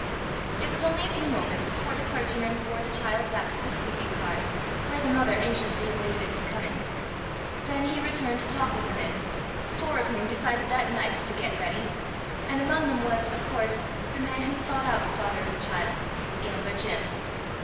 It was only a few moments before the clergyman bore the child back to the sleeping car, where the mother anxiously awaited his coming. Then he returned to talk with the men, four of whom that night decided to "get ready," and among them was, of course, the man who sought out the father of the child, Gambler Jim.